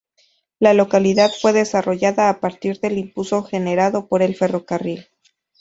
La localidad fue desarrollada a partir del impulso generado por el ferrocarril.